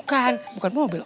bukan bukan mobil